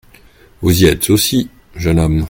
Vous y êtes aussi, jeune homme.